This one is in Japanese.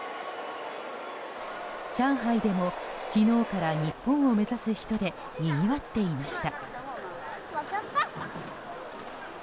上海でも、昨日から日本を目指す人でにぎわっていました。